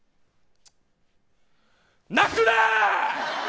泣くな。